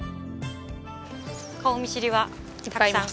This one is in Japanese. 顔見知りはたくさん。